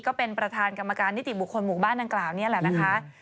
ก็เป็นประธานกรรมการนิติบุคคลหมู่บ้านดังกล่าวนี่แหละนะคะ